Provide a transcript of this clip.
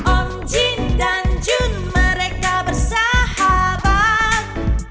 om jin dan jun mereka bersahabat